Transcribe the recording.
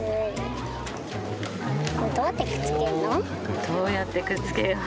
これどうやってくっつけんの？